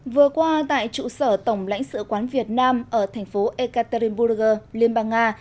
vừa qua tại trụ sở tổng lãnh sự quán việt nam ở thành phố ekaterinburg liên bang nga